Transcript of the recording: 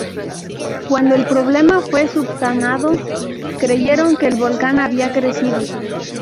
Cuando el problema fue subsanado, creyeron que el volcán había crecido.